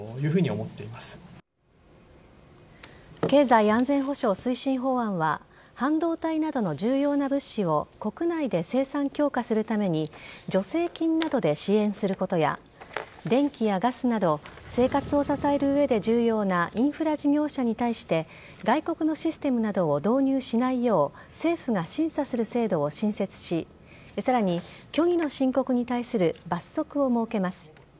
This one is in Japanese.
経済安全保障推進法案は半導体などの重要な物資を国内で生産強化するために助成金などで支援することや電気やガスなど生活を支える上で重要なインフラ事業者に対して外国のシステムなどを導入しないよう政府が審査する制度を新設しさらに虚偽の申告に対する罰則を設けます。